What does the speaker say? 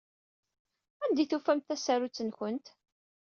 Anda ay d-tufamt tasarut-nwent?